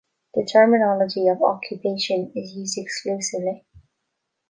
The terminology of "occupation" is used exclusively.